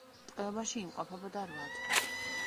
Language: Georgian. ტყვეობაში იმყოფებოდა რვა თვე.